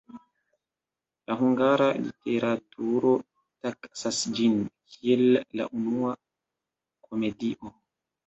La hungara literaturo taksas ĝin, kiel la unua komedio.